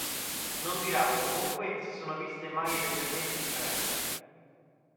Non di rado comunque si sono viste maglie leggermente differenti.